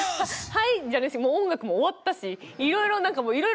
じゃないしもう音楽も終わったしいろいろ何かもういろいろあ